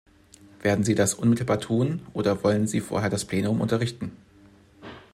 Werden Sie das unmittelbar tun, oder wollen Sie vorher das Plenum unterrichten?